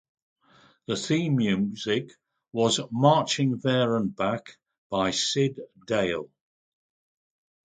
The theme music was "Marching There and Back" by Syd Dale.